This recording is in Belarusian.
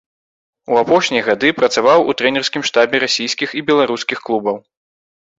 У апошнія гады працаваў у трэнерскім штабе расійскіх і беларускіх клубаў.